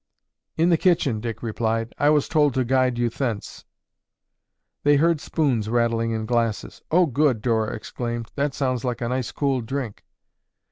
"In the kitchen," Dick replied. "I was told to guide you thence." They heard spoons rattling in glasses. "Oh, good!" Dora exclaimed. "That sounds like a nice, cool drink."